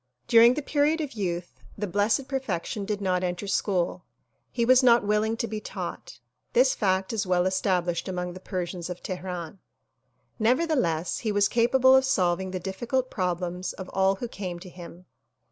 During the period of youth the Blessed Perfection did not enter school. He was not willing to be taught. This fact is well established among the Persians of Teheran. Never theless he was capable of solving the difficult problems of all who came to him.